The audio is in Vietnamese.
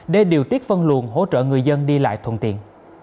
để điều tiết phân luồn hỗ trợ người dân đi lại thuận tiện